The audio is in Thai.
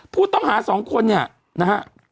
ผู้ต้องหา๒คนเนี่ยนะฮะ